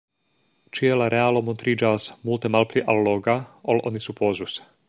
Ĉie la realo montriĝas multe malpli alloga, ol oni supozus.